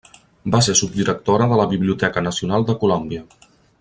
Va ser subdirectora de la Biblioteca Nacional de Colòmbia.